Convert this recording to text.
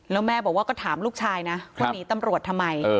แล้วแม่บอกว่าก็ถามลูกชายนะว่าหนีตำรวจทำไม